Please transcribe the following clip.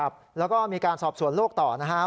แล้วก็มีการสอบส่วนโรคต่อนะคะ